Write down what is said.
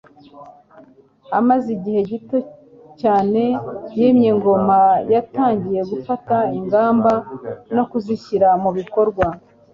amaze igihe gito cyane yimye ingoma yatangiye gufata ingamba no kuzishyira mu bikorwa